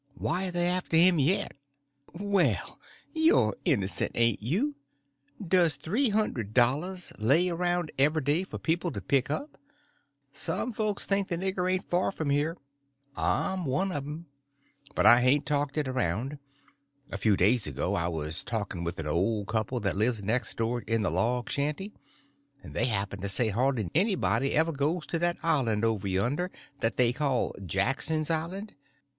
"Why, are they after him yet?" "Well, you're innocent, ain't you! Does three hundred dollars lay around every day for people to pick up? Some folks think the nigger ain't far from here. I'm one of them—but I hain't talked it around. A few days ago I was talking with an old couple that lives next door in the log shanty, and they happened to say hardly anybody ever goes to that island over yonder that they call Jackson's Island.